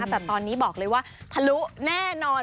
แต่ตอนนี้บอกเลยว่าทะลุแน่นอน